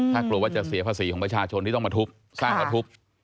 ถ้ากลัวว่าจะเสียภาษีของประชาชนที่ต้องมาทุบสร้างมาทุบ